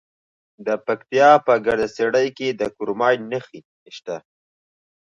د پکتیا په ګرده څیړۍ کې د کرومایټ نښې شته.